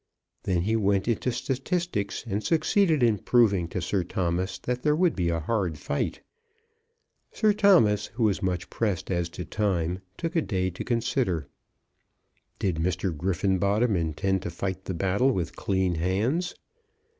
Then he went into statistics, and succeeded in proving to Sir Thomas that there would be a hard fight. Sir Thomas, who was much pressed as to time, took a day to consider. "Did Mr. Griffenbottom intend to fight the battle with clean hands?"